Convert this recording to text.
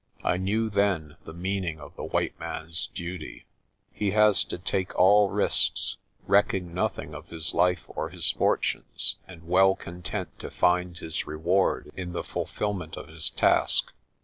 I knew then the meaning of the white man's duty. He has to take all risks, recking nothing of his life or his fortunes and well content to find his reward in the fulfilment of his task.